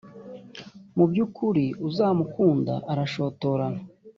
mu byukuri uzamukunda arashotorana.